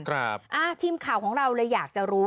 ครับอ่าทีมข่าวของเราเลยอยากจะรู้